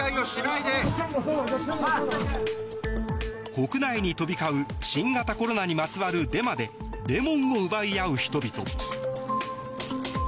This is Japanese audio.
国内に飛び交う新型コロナにまつわるデモでレモンを奪い合う人々。